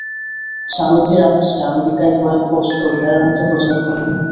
স্বামীজীর আদেশে আমেরিকায় কয়েক বৎসর বেদান্ত প্রচার করেন।